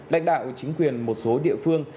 đảnh đạo chính quyền một số địa phương